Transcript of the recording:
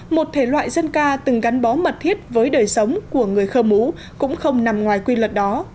một thể loại dân ca từng gắn bó mật thiết với đời sống của người khơ mú cũng không nằm ngoài quy luật đó